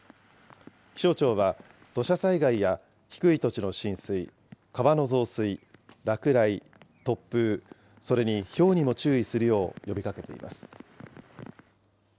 気象庁は、土砂災害や低い土地の浸水、川の増水、落雷、突風、それにひょうにも注意するよう呼びかけています。